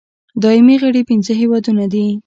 دایمي غړي پنځه هېوادونه دي.